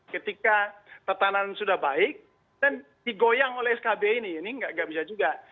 ketika tatanan sudah baik dan digoyang oleh skb ini ini nggak bisa juga